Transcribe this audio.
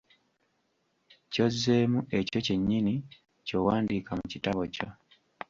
Ky'ozzemu ekyo kyennyini ky'owandiika mu kitabo kyo.